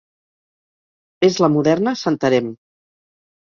És la moderna Santarém.